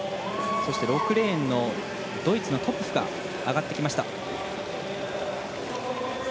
そして６レーンのドイツのトプフが上がってきました。